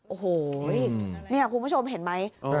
โอ้โหนี่คุณผู้ชมเห็นไหม